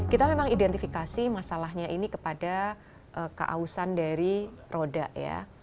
kita memang identifikasi masalahnya ini kepada keausan dari roda ya